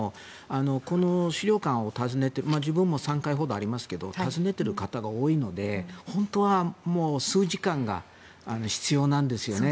この資料館を訪ねたこと自分も３回ありますが訪ねている方が多いので本当は数時間必要なんですよね。